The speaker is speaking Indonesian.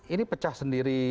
ini pecah sendiri